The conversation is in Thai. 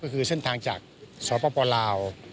ซึ่งเส้นทางจากสหปปเบาลาว